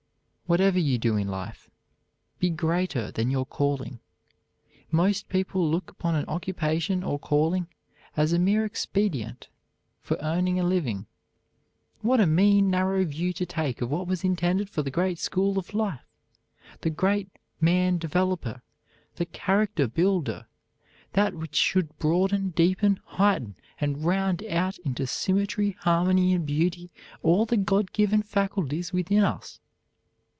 Whatever you do in life, be greater than your calling. Most people look upon an occupation or calling as a mere expedient for earning a living. What a mean, narrow view to take of what was intended for the great school of life, the great man developer, the character builder; that which should broaden, deepen, heighten, and round out into symmetry, harmony, and beauty all the God given faculties within us!